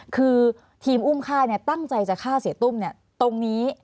คือทีมอุ้มฆ่าเนี่ยตั้งใจจะฆ่าเสวตุ้มเนี่ยตรงนี้